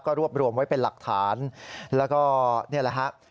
รวบรวมไว้เป็นหลักฐานแล้วก็นี่แหละฮะ